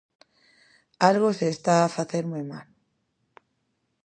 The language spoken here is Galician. Algo se está a facer moi mal.